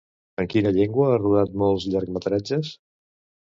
En quina llengua ha rodat molts llargmetratges?